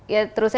ya terus saya